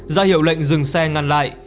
ra hiệu lệnh dừng xe ngăn lại